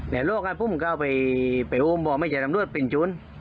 แล้วโลกกันพวกมันก้าวไปอุ้มบอกไม่ใช่ตำรวจเป็นจุ้น